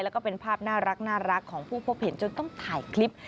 แล้วก็เป็นภาพน่ารักของผู้พบเห็นจนต้องถ่ายคลิป